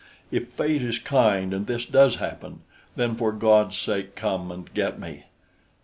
If fate is kind and this does happen, then, for God's sake, come and get me!